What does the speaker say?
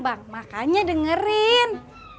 bang makanya dengerin